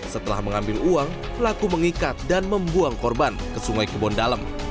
setelah mengambil uang pelaku mengikat dan membuang korban ke sungai kebondalem